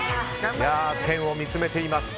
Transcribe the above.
天を見つめています。